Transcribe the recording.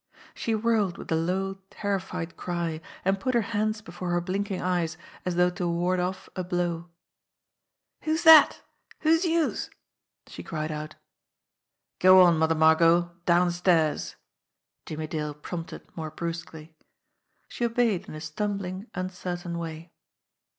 She whirled with a low, terrified cry, and put her hands before her blinking eyes as though to ward off a blow. "Who's dat ? Who're youse ?" she cried out. "Go on, Mother Margot downstairs," Jimmie Dale prompted more brusquely. She obeyed in a stumbling, uncertain way.